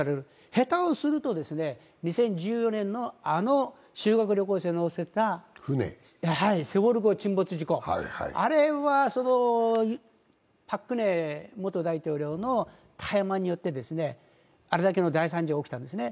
下手をすると２０１４年のあの修学旅行生を乗せた「セウォル」号沈没事故ですが、あれはパク・クネ元大統領の怠慢によってあれだけの大惨事が起きたんですね。